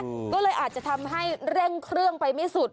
ก็เลยอาจจะทำให้เร่งเครื่องไปไม่สุด